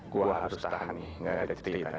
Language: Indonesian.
gue harus tahan nih gak ada cerita